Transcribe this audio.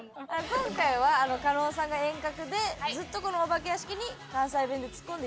今回は加納さんが遠隔でずっとこのお化け屋敷に関西弁でツッコんで頂くと。